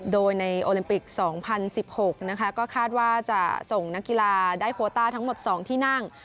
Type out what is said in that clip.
โดยในโอลิมปิก๒๐๑๖นะคะก็คาดว่าจะส่งนักกีฬาได้โคต้าทั้งหมด๒ที่นั่ง